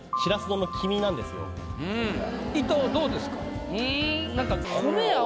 うん伊藤どうですか？